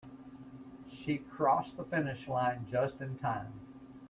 She crossed the finish line just in time.